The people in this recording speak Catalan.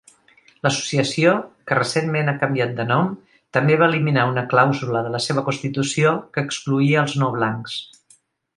L'associació, que recentment ha canviat de nom, també va eliminar una clàusula de la seva constitució que excloïa els no blancs.